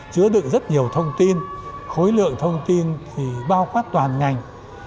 chứa được rất nhiều thông tin khối lượng thông tin thì bao quát toàn ngành